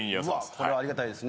これはありがたいですね